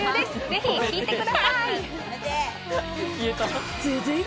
ぜひ聴いてください！